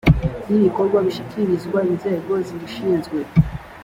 y ibikorwa bishyikirizwa inzego zibishinzwe